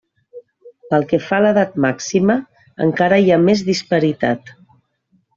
Pel que fa a l'edat màxima, encara hi ha més disparitat.